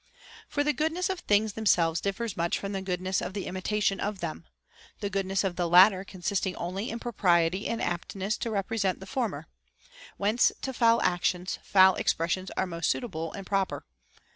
For the goodness of things themselves differs much from the goodness of the imitation of them ; the goodness of the latter consisting only in propriety and aptness to represent the former. Whence to foul actions foul expressions are most suitable and proper.